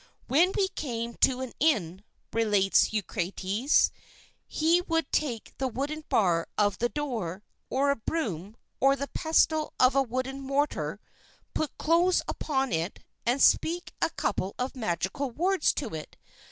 "When we came to an inn," relates Eucrates, "he would take the wooden bar of the door, or a broom, or the pestle of a wooden mortar, put clothes upon it, and speak a couple of magical words to it.